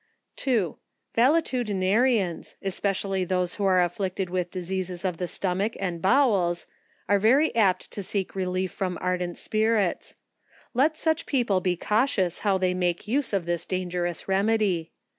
2. Valetudinarians, especially those who are afflicted with diseases of the stomuch and bowels, are very apt to seek relief from ardent spirits. Let such people be cau tious how they make use of this dangerous remedy.